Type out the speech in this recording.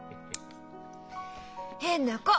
変な子！